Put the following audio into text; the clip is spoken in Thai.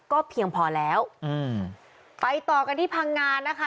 ก็เพียงพอแล้วอืมไปต่อกันที่พังงานนะคะ